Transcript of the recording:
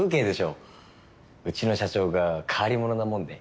うちの社長が変わり者なもんで。